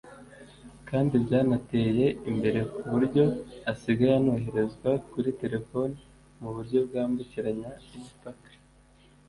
kandi byanateye imbere ku buryo asigaye anoherezwa kuri telefoni mu buryo bwambukiranya imipaka